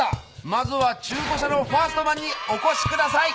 まずは中古車のファーストマンにお越しください！